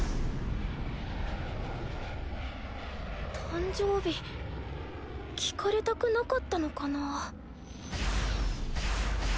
誕生日聞かれたくなかったのかな？